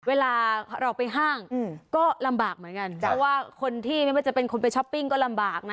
เวลาเราไปห้างก็ลำบากเหมือนกันเพราะว่าคนที่ไม่ว่าจะเป็นคนไปช้อปปิ้งก็ลำบากนะ